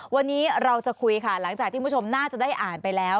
วันนี้เราจะคุยค่ะหลังจากที่คุณผู้ชมน่าจะได้อ่านไปแล้ว